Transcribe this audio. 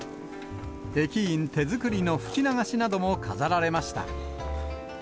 駅員手作りの吹き流しなども飾られました。